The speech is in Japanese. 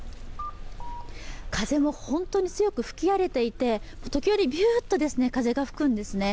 風も本当に強く吹き荒れていて、時折ビューッと風が吹くんですね。